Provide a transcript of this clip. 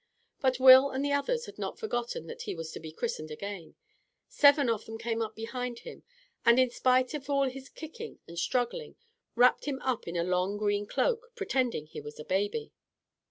But Will and the others had not forgotten that he was to be christened again. Seven of them came behind him, and in spite of all his kicking and struggling wrapped him up in a long, green cloak, pretending he was a baby.